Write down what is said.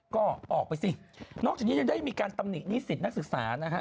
ก็ออกไปสินอกจากนี้ยังได้มีการตำหนินิสิตนักศึกษานะฮะ